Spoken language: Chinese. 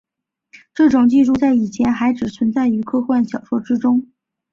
这种技术在以前还只存在于科幻小说之中。